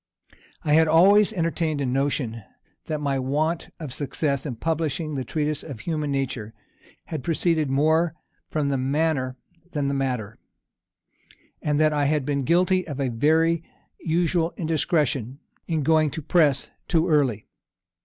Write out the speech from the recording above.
I had always entertained a notion, that my want of success in publishing the Treatise of Human Nature had proceeded more from the manner than the matter, and that I had been guilty of a very usual indiscretion, in going to the press too early.